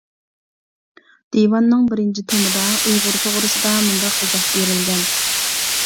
دىۋاننىڭ بىرىنچى تومىدا ئۇيغۇر توغرىسىدا مۇنداق ئىزاھ بېرىلگەن.